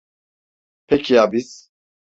Peki ya biz?